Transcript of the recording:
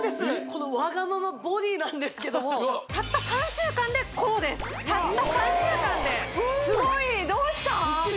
このワガママボディなんですけどもたった３週間でこうですうわたった３週間ですごいどうしたん？